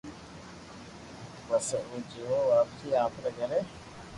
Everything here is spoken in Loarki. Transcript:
ھين پسي او چور واپسي آپري گھري